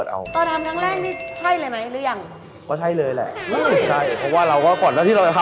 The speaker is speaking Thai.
ได้ยอดขาย๕๐๐๐บาทแล้ววันแรก